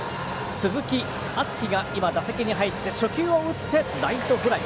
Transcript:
鈴木敦稀が打席に入って初球を打ってライトフライ。